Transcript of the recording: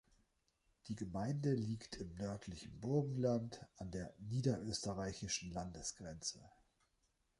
Die Gemeinde liegt im nördlichen Burgenland an der niederösterreichischen Landesgrenze.